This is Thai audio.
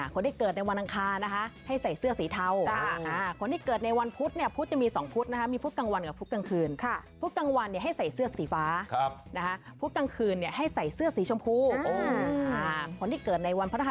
คนที่เกิดในวันอังคารให้ใส่เสื้อสีเทาคนที่เกิดในวันพุธ